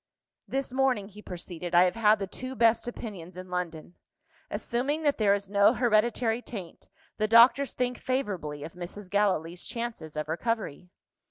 "This morning," he proceeded, "I have had the two best opinions in London. Assuming that there is no hereditary taint, the doctors think favourably of Mrs. Gallilee's chances of recovery."